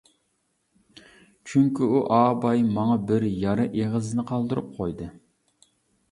چۈنكى ئۇ ئاباي ماڭا بىر يارا ئېغىزىنى قالدۇرۇپ قويدى.